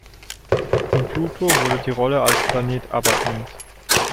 Dem Pluto wurde die Rolle als Planet aberkannt.